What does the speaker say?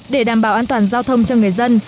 để đảm bảo an toàn giao thông cho người dân